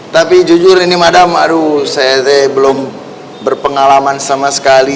tapi jujur ini madam aduh saya belum berpengalaman sama sekali